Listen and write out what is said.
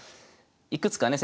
いくつかね